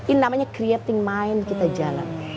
ini namanya creating mind kita jalan